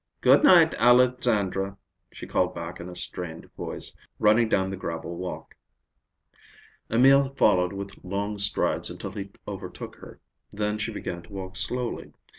"Good night, Alexandra," she called back in a strained voice, running down the gravel walk. Emil followed with long strides until he overtook her. Then she began to walk slowly.